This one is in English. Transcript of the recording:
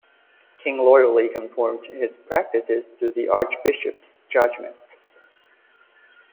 King loyally conformed his practices to the archbishop's judgment.